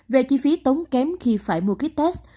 về chi phí tốn kém khi phải mua cái test